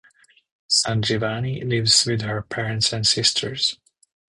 Sanjivani lives with her parents and sisters.